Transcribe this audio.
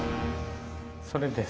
それです。